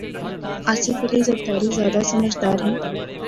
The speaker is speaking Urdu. آصف علی زرداری زیادہ سمجھدار ہیں۔